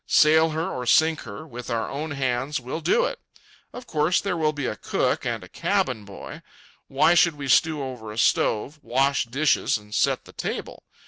Sail her or sink her, with our own hands we'll do it. Of course there will be a cook and a cabin boy. Why should we stew over a stove, wash dishes, and set the table?